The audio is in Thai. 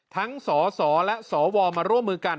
สสและสวมาร่วมมือกัน